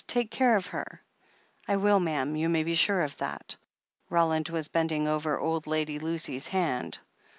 Take care of her." "I will, ma'am — ^you may be sure of that." Roland was bending over old Lady Lucy's han4.